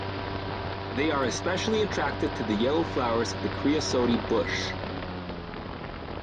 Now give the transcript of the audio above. They are especially attracted to the yellow flowers of the creosote bush.